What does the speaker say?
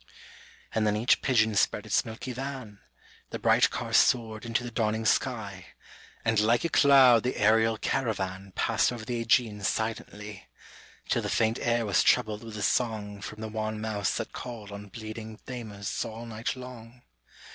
And then each pigeon spread its milky van, The bright car soared into the dawning sky, And like a cloud the aerial caravan Passed over the iEgean silently, [i 4 6] Till the faint air was troubled with the song From the wan mouths that call on bleeding Thammuz all night long.